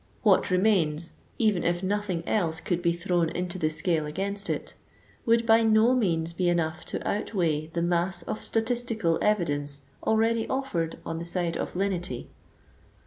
What remains — even if nothing else could be thrown into the scale against it — would by no means be enough to outweigh the mass of statistical evidence already offered on the side of lenity.